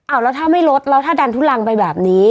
เอาแล้วถ้าไม่ลดแล้วถ้าดันทุลังไปแบบนี้